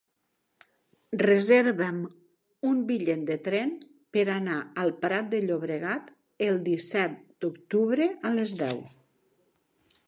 Reserva'm un bitllet de tren per anar al Prat de Llobregat el disset d'octubre a les deu.